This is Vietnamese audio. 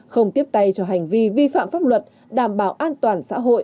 không tiếp tay cho hành vi vi phạm pháp luật đảm bảo an toàn xã hội